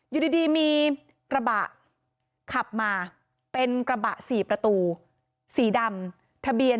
อยู่ดีมีกระบะขับมาเป็นกระบะ๔ประตูสีดำทะเบียน